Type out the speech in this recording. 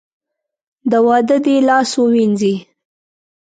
د واده دې لاس ووېنځي .